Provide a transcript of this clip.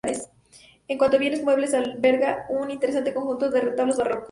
En cuanto a bienes muebles, alberga un interesante conjunto de retablos barrocos.